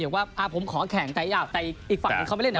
อย่างว่าผมขอแข่งแต่อีกฝั่งเขาไม่เล่นแล้ว